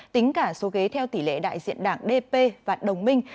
tính cả số ghế theo tỷ lệ đại diện đảng dp và đồng minh